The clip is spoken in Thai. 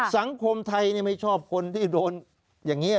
สังคมไทยไม่ชอบคนที่โดนอย่างนี้